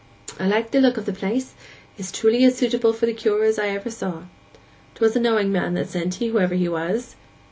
I like the look of the place; it is truly as suitable for the cure as any I ever saw. 'Twas a knowing man that sent 'ee, whoever he was.